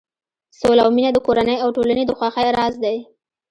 سوله او مینه د کورنۍ او ټولنې د خوښۍ راز دی.